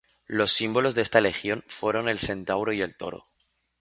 Los símbolos de esta legión fueron el centauro y el toro.